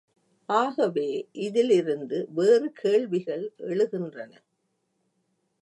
ஆகவே, இதிலிருந்து வேறு கேள்விகள் எழுகின்றன.